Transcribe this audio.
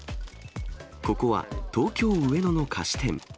ここは東京・上野の菓子店。